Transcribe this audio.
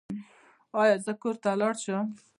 ایا زه کور ته لاړ شم؟